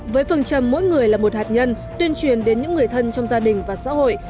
với phương trầm mỗi người là một hạt nhân tuyên truyền đến những người thân trong gia đình và xã hội